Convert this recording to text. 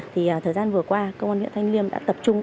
thì thời gian vừa qua công an huyện thanh liêm đã tập trung